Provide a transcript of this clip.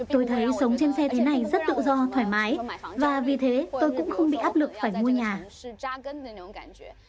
tôi thấy sống trên xe thế này rất tự do thoải mái và vì thế tôi cũng không bị áp lực phải mua nhà